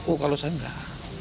oh kalau saya enggak